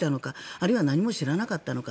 あるいは何も知らなかったのか。